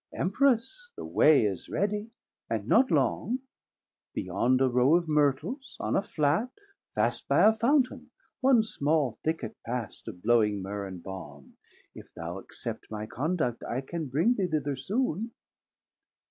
Empress, the way is readie, and not long, Beyond a row of Myrtles, on a Flat, Fast by a Fountain, one small Thicket past Of blowing Myrrh and Balme; if thou accept My conduct, I can bring thee thither soon.